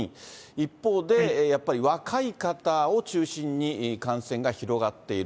一方でやっぱり若い方を中心に、感染が広がっている。